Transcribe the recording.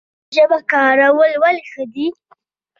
نرمه ژبه کارول ولې ښه دي؟